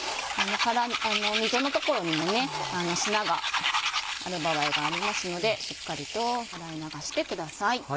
溝の所にもね砂がある場合がありますのでしっかりと洗い流してください。